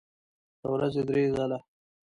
د ورځې درې ځله